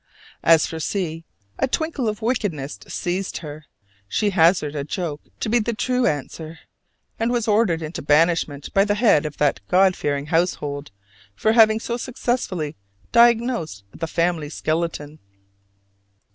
As for C , a twinkle of wickedness seized her, she hazarded "A joke" to be the true answer, and was ordered into banishment by the head of that God fearing household for having so successfully diagnosed the family skeleton.